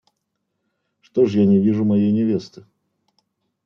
Что ж я не вижу моей невесты?